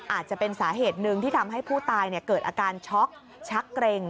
อาจจะเป็นสาเหตุหนึ่งที่ทำให้ผู้ตายเกิดอาการช็อกชักเกร็ง